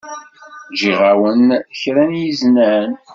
Ǧǧiɣ-awen-n kra n yiznan.